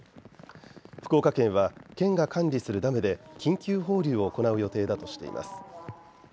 福岡県は県が管理するダムで緊急放流を行う予定だとしています。